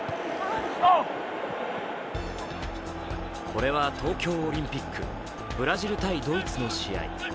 これは東京オリンピック、ブラジル×ドイツの試合。